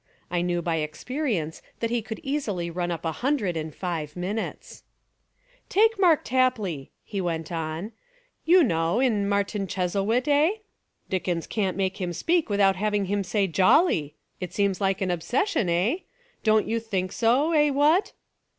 I knew by experience that he could easily run up a hundred in five minutes. "Take Mark Tapley," he went on, "you 194 Fiction and Reality know, — in Martin Chuzzlewit, eh? Dickens can't make him speak without having him say 'jolly.' It seems like an obsession, eh? Don't you think so, eh, what?"